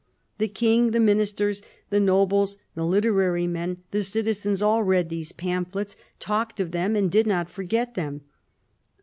The King, the Ministers, the nobles, the literary men, the citizens, all read these pamphlets, talked of them, and did not forget them.